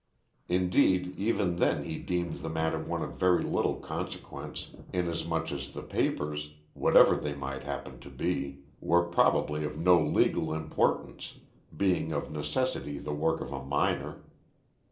Indeed, even then he deemed the matter one of very little consequence, inasmuch as the papers, whatever they might happen to be, were probably of no legal importance, being of necessity the work of a minor.